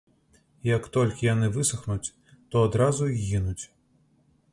І як толькі яны высахнуць, то адразу і гінуць.